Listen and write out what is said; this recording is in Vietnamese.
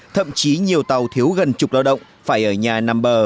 thậm chí nhiều tàu thiếu gần chục lao động phải ở nhà nằm bờ